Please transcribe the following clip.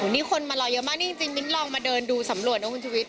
นี่คนมารอเยอะมากนี่จริงมิ้นลองมาเดินดูสำรวจนะคุณชุวิต